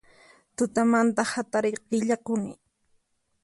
Tutamanta hatariyta qillakuni